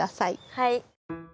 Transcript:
はい。